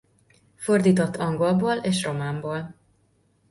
Fordított angolból és románból.